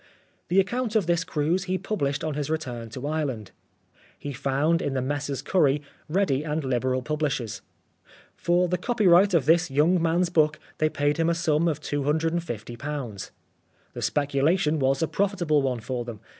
The account of this cruise he published on his return to Ireland. He found in the Messrs Curry ready and liberal publishers. For the copyright of this young man's book they paid him a sum of £250. The speculation was a profitable one for them.